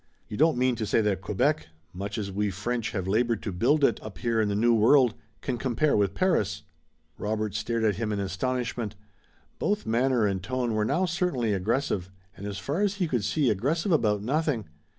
"You don't mean to say that Quebec, much as we French have labored to build it up here in the New World, can compare with Paris?" Robert stared at him in astonishment. Both manner and tone were now certainly aggressive, and as far as he could see aggressive about nothing.